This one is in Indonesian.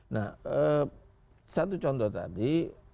nah satu contoh tadi